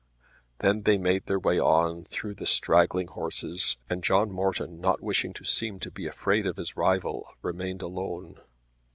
Then they made their way on through the straggling horses, and John Morton, not wishing to seem to be afraid of his rival, remained alone.